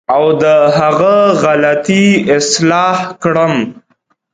او د هغه غلطۍ اصلاح کړم.